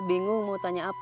bingung mau tanya apa